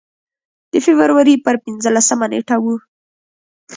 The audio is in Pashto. د فبروري پر پنځلسمه نېټه و.